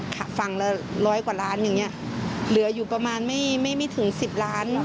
ฝั่งละร้อยกว่าล้านอย่างเงี้ยเหลืออยู่ประมาณไม่ไม่ถึงสิบล้าน